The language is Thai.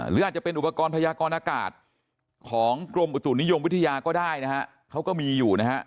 หรืออาจจะเป็นอุปกรณ์พยากรอากาศของกรมอุตุนิยมวิทยาก็ได้นะฮะเขาก็มีอยู่นะฮะ